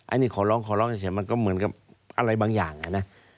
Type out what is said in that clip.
อันนี้ขอร้องขอร้องเฉยมันก็เหมือนกับอะไรบางอย่างนะ